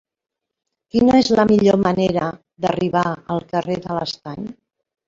Quina és la millor manera d'arribar al carrer de l'Estany?